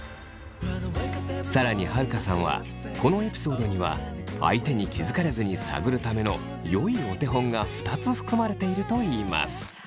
更に晴香さんはこのエピソードには相手に気づかれずに探るためのよいお手本が２つ含まれていると言います。